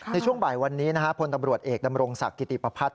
ในช่วงบ่ายวันนี้พลตำรวจเอกดำรงศักดิ์กิติประพัฒน